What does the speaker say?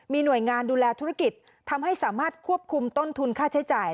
มีหน่วยงานดูแลธุรกิจทำให้สามารถควบคุมต้นทุนค่าใช้จ่าย